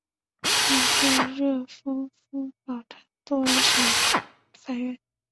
现在热舒夫城堡用作省法院。